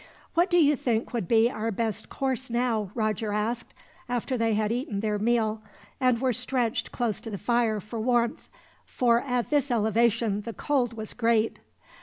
"What do you think would be our best course, now?" Roger asked, after they had eaten their meal, and were stretched close to the fire for warmth for at this elevation the cold was great.